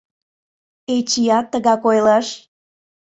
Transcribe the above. Эчиат тыгак ойлыш.